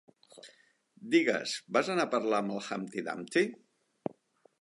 Digues, vas anar a parlar amb el Humpty Dumpty?